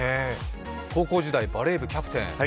高校時代、バレー部キャプテン。